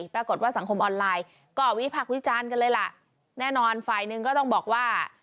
ปรากฏว่าสังคมออนไลน์ก็วิพักษ์วิจารณ์กันเลยล่ะแน่นอนฝ่ายหนึ่งก็ต้องบอกว่า